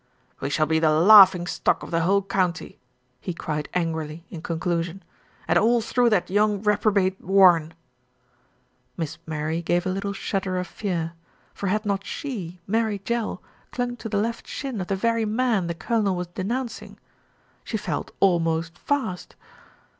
"We shall be the laughing stock of the whole county," he cried angrily in conclusion, "and all through that young reprobate Warren." Miss Mary gave a little shudder of fear; for had not she, Mary Jell, clung to the left shin of the very man the Colonel was denouncing she felt almost fast.